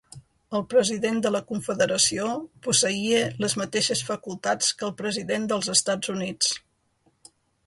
El President de la Confederació posseïa les mateixes facultats que el President dels Estats Units.